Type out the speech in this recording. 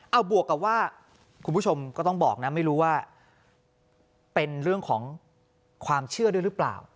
เอาบวกกับว่าคุณผู้ชมก็ต้องบอกนะไม่รู้ว่าเป็นเรื่องของความเชื่อด้วยหรือเปล่า